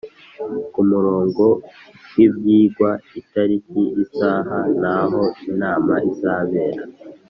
ku murongo w ibyigwa itariki isaha n aho inama izabera